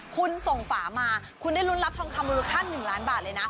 คุณส่งฝามาคุณได้ลุ้นรับทองคำมูลค่า๑ล้านบาทเลยนะ